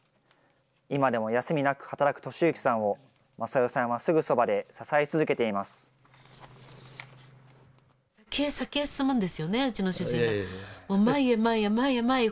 今でも休みなく働く利之さんを、正代さんはすぐそばで支え続けています。